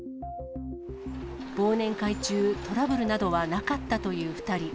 忘年会中、トラブルなどはなかったという２人。